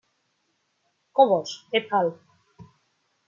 Cobos "et al.